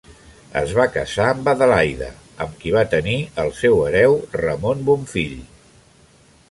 Es va casar amb Adelaida amb qui va tenir el seu hereu, Ramon Bonfill.